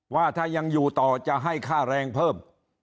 ว่าถ้ายังอยู่ต่อจะให้ค่าแรงเพิ่ม